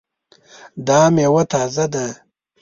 دا میوه تازه ده؟